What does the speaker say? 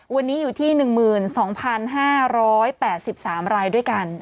วันนี้อยู่ที่๑๒๕๘๓รายด้วยกัน